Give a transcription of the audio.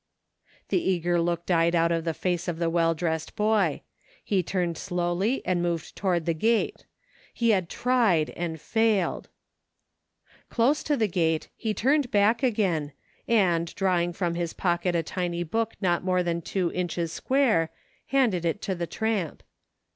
The eager look died out of the face of the well dressed boy. He turned slowly and moved toward the gate. He had tried and failed ! 54 OPPORTUNITY. Close to the gate, he turned back again and, drawing from his pocket a tiny book not more than two inches square, handed it to the tramp.